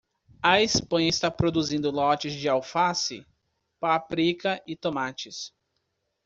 A Espanha está produzindo lotes de alface? páprica e tomates.